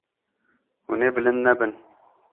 Hûn ê bilind nebin.